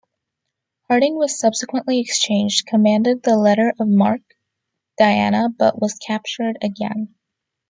Harding was subsequently exchanged, commanded the letter of marque "Diana", but was captured again.